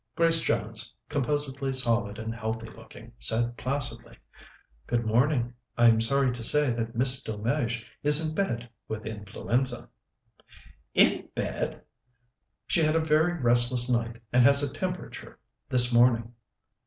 Grace Jones, composedly solid and healthy looking, said placidly: "Good morning. I'm sorry to say that Miss Delmege is in bed with influenza." "In bed!" "She had a very restless night and has a temperature this morning."